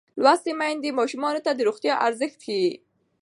لوستې میندې ماشوم ته د روغتیا ارزښت ښيي.